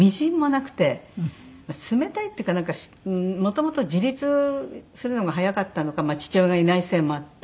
冷たいっていうかもともと自立するのが早かったのか父親がいないせいもあって。